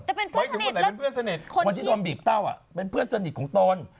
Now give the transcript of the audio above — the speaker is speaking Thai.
แต่เป็นเพื่อนสนิทคนที่โดนบีบเต้าเป็นเพื่อนสนิทของตน